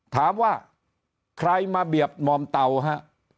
ถามว่าใครมาเบียบหม่อมเตาฮะ